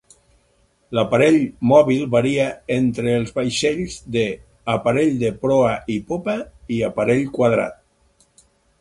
L'aparell mòbil varia entre els vaixells de "aparell de proa i popa" i "aparell quadrat".